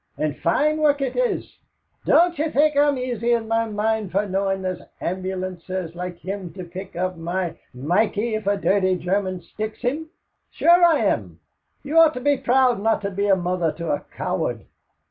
And fine work it is. Don't you think I'm easier in my mind for knowin' there's ambulancers like him to pick up my Mikey if a dirty German sticks him? Sure I am. You ought to be that proud not to be mother to a coward."